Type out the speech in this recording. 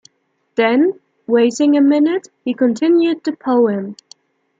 Then, waiting a minute, he continued the poem.